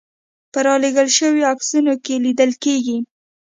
په رالېږل شویو عکسونو کې لیدل کېږي.